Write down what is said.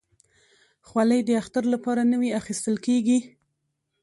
خولۍ د اختر لپاره نوي اخیستل کېږي.